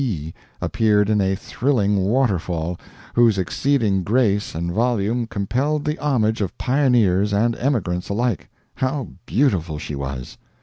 B. appeared in a thrilling waterfall, whose exceeding grace and volume compelled the homage of pioneers and emigrants alike. How beautiful she was!